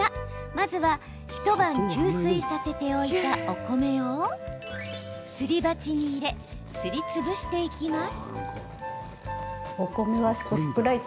まずは一晩、吸水させておいたお米をすり鉢に入れすりつぶしていきます。